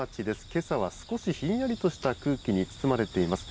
けさは少しひんやりとした空気に包まれています。